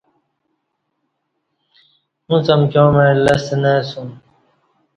اݩڅ امکیاں مع لستہ نہ اسوم۔